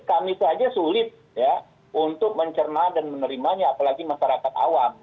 kami saja sulit ya untuk mencerna dan menerimanya apalagi masyarakat awam